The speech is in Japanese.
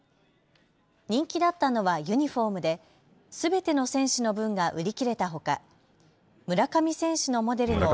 人気だったのはユニフォームですべての選手の分が売り切れたほか村上選手のモデルのバットは。